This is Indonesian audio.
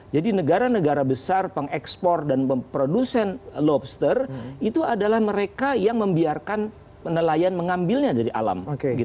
jadi negara negara besar pengekspor dan pemproduksen lobster itu adalah mereka yang membiarkan nelayan mengambilnya dari alam